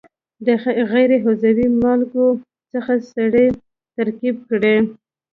د غیر عضوي مالګو څخه سرې ترکیب کړي.